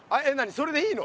それでいいの？